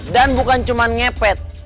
dan bukan cuma ngepet